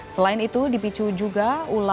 selain itu dipicu juga ulah pemburulian